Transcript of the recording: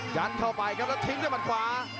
ยัดเข้าไปครับแล้วทิ้งด้วยมัดขวา